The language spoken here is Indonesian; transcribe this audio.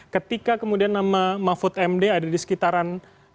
ketika kemudian nama mahfud md ada di sekitaran